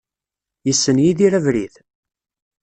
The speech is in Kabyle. Yessen Yidir abrid?